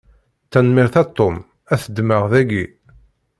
Tanemmirt a Tom, ad t-ddmeɣ daki.